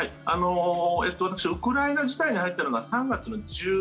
私、ウクライナ自体に入ったのが３月１７日。